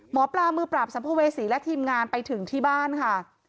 หมอปลามือปราบสัมภเวษีและทีมงานไปถึงที่บ้านค่ะ